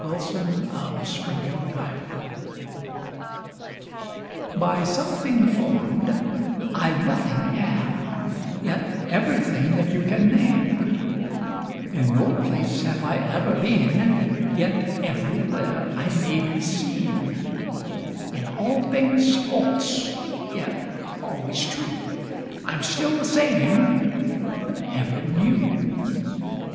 ON A SHADOW IN A GLASS; By something form'd, I nothing am, Yet everything that you can name; In no place have I ever been, Yet everywhere I may be seen; In all things false, yet always true, I'm still the same but ever new.